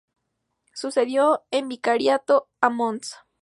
Sucedió en el Vicariato a Mons.